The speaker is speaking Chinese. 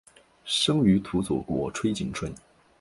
生于土佐国吹井村。